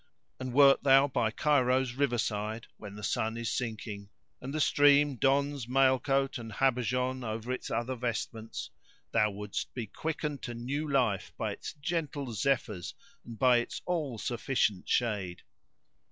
And wert thou by Cairo's river side,[FN#582] when the sun is sinking and the stream dons mail coat and habergeon[FN#583] over its other vestments, thou wouldst be quickened to new life by its gentle zephyrs and by its all sufficient shade."